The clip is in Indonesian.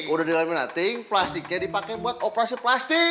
udah dilaminating plastiknya dipakai buat operasi plastik